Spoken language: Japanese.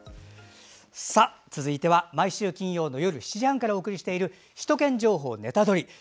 続いては毎週金曜の夜７時半からお送りしている「首都圏情報ネタドリ！」。